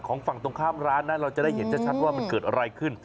ฝั่งตรงข้ามร้านนะเราจะได้เห็นชัดว่ามันเกิดอะไรขึ้น